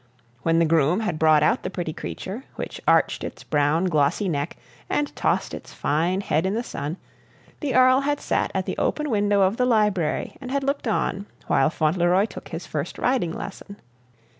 When the groom had brought out the pretty creature, which arched its brown, glossy neck and tossed its fine head in the sun, the Earl had sat at the open window of the library and had looked on while Fauntleroy took his first riding lesson.